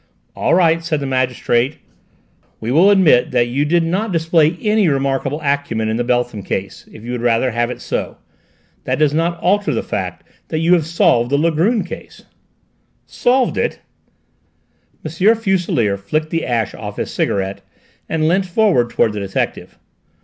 "All right," said the magistrate, "we will admit that you did not display any remarkable acumen in the Beltham case, if you would rather have it so. That does not alter the fact that you have solved the Langrune case." "Solved it!" M. Fuselier flicked the ash off his cigarette, and leant forward towards the detective.